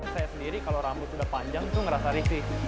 saya sendiri kalau rambut sudah panjang itu ngerasa risih